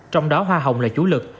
trong đó hoa hồng là chủ lực